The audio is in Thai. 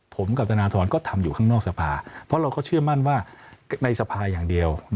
ผมกับธนทรก็ทำอยู่ข้างนอกสภาเพราะเราก็เชื่อมั่นว่าในสภาอย่างเดียว